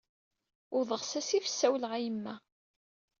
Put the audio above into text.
Wwḍeɣ s asif sawleɣ a yemma.